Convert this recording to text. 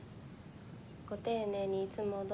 ご丁寧にいつもどうも。